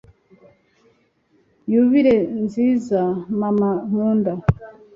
yubire nziza mama nkunda